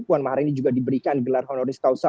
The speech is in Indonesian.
puan maharani juga diberikan gelar honoris causa